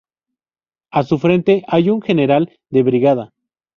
A su frente hay un General de Brigada.